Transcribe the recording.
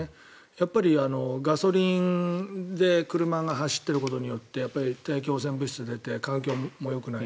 やっぱりガソリンで車が走っていることによって大気汚染物質が出て環境にもよくない。